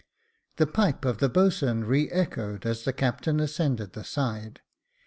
The pipe of the boat swain re echoed as the captain ascended the side.